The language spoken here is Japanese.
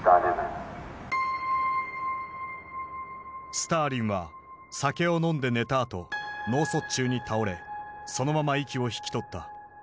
スターリンは酒を飲んで寝たあと脳卒中に倒れそのまま息を引き取った。